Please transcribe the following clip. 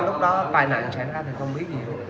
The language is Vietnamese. lúc đó tai nạn xảy ra thì không biết gì